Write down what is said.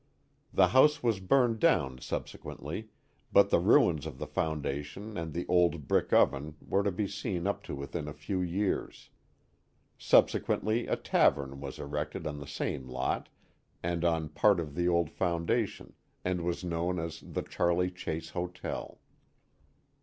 The house was burned down subsequently, but the ruins of the founda tion and the old brick oven were to be seen up to within a few years. Subsequently a tavern was erected on the same lot and on part of the old foundation, and was known as the Charley Chase Hotel.